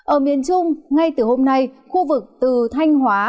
ở miền trung ngay từ hôm nay khu vực từ thanh hóa